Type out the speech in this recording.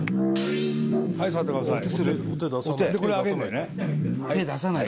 はい座ってください